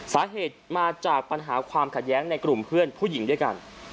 สาเหตุมาจากปัญหาความขัดแย้งในกลุ่มเพื่อนผู้หญิงด้วยกัน